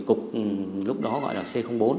cục lúc đó gọi là c bốn